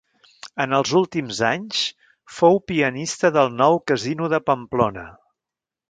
En els últims anys, fou pianista del Nou Casino de Pamplona.